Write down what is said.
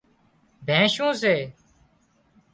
بينشُون سي